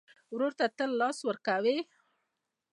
ورور ته تل لاس ورکوې.